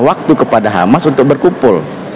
waktu kepada hamas untuk berkumpul